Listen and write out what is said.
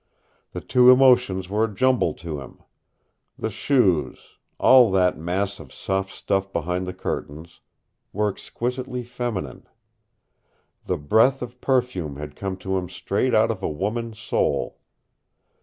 The two emotions were a jumble to him. The shoes, all that mass of soft stuff behind the curtains, were exquisitely feminine. The breath of perfume had come to him straight out of a woman's soul.